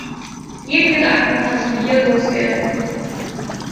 Jeden Gedanken kannst du hier los werden.